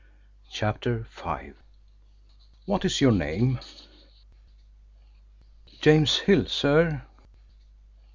CHAPTER V "What is your name?" "James Hill, sir."